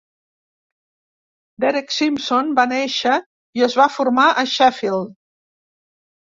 Derek Simpson va néixer i es va formar a Sheffield.